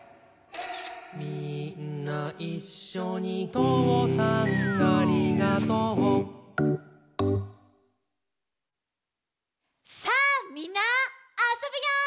「みーんないっしょにとうさんありがとう」さあみんなあそぶよ！